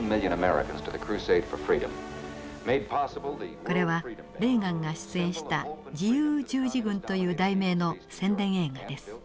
これはレーガンが出演した「自由十字軍」という題名の宣伝映画です。